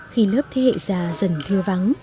khi lớp thế hệ già dần thưa vắng